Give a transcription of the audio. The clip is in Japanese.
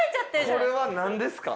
これはなんですか？